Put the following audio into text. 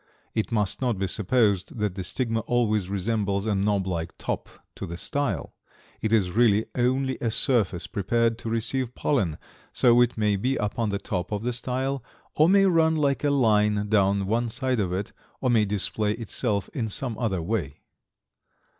It must not be supposed that the stigma always resembles a knob like top to the style. It is really only a surface prepared to receive pollen, so it may be upon the top of the style, or may run like a line down one side of it, or may display itself in some other way.